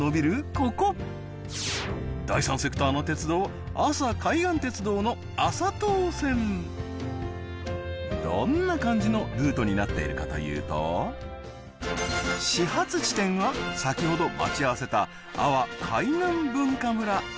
ここ第三セクターの鉄道阿佐海岸鉄道の阿佐東線どんな感じのルートになっているかというと始発地点は先ほど待ち合わせた阿波海南文化村